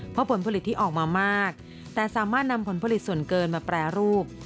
เพราะผลผลิตที่ออกมามากแต่สามารถนำผลผลิตส่วนเกินมาแปรรูป